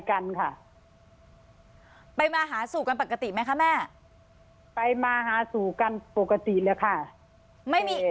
กันค่ะไปมาหาสู่กันปกติไหมคะแม่ไปมาหาสู่กันปกติเลยค่ะไม่มี